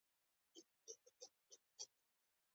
پخپله د افغانستان د بدبختۍ تماشې ته کېنستل.